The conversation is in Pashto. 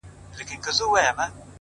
دا کتاب ختم سو نور _ یو بل کتاب راکه _